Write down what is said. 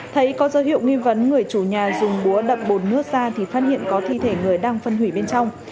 thấy có dấu hiệu nghi vấn người chủ nhà dùng búa đập bồn nước ra thì phát hiện có thi thể người đang phân hủy bên trong